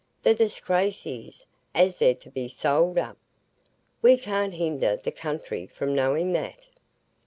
The disgrace is, as they're to be sold up. We can't hinder the country from knowing that."